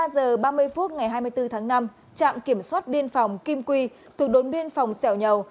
vào một mươi ba h ba mươi phút ngày hai mươi bốn tháng năm trạm kiểm soát biên phòng kim quy thuộc đồn biên phòng xèo nhầu